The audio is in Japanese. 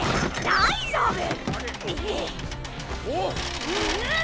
大丈夫。